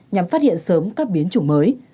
nhằm phát hiện sớm các biến chủng mới